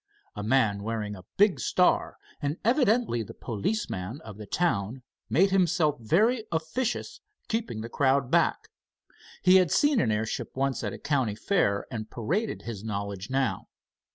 A man wearing a big star, and evidently the policeman of the town, made himself very officious keeping the crowd back. He had seen an airship once at a county fair and paraded his knowledge now.